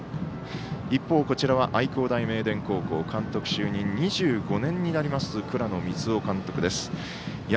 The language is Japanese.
一方、こちらは愛工大名電高校監督就任２５年になります倉野光生監督です。